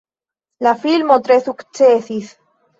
La filmo tre sukcesis.